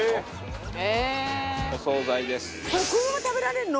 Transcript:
このまま食べられるの？